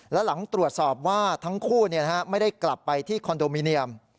และหลังตรวจสอบว่าทั้งคู่ไม่ได้กลับไปที่คอนโดมิเนียม